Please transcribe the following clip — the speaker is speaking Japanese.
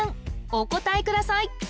お答えください